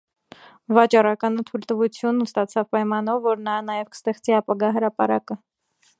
Վաճառականը թույլտվություն ստացավ պայմանով, որ նա նաև կստեղծի ապագա հրապարակը։